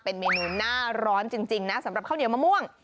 เป็นเมนูหน้าร้อนจริงนะสำหรับข้าวเหนียวมะม่วง